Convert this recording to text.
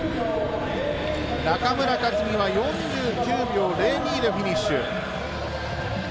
中村克は４９秒０２でフィニッシュ。